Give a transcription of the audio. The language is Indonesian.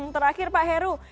terakhir pak heru